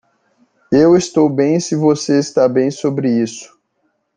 Eu estou bem se você está bem sobre isso.